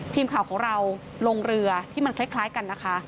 ทีมข่าวของเราลงเรือที่มันคล้ายกันนะคะ